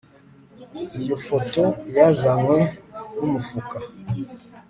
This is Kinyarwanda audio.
Iyo foto yazanwe numufuka